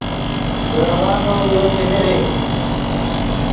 درووّا نو یو چے نیغڤڈ